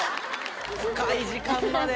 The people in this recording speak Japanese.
深い時間まで。